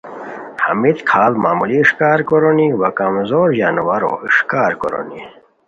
ہمیت کھاڑ معمولی اِݰکار کورونی وا کمزور ژانوارو اِݰکار کورونی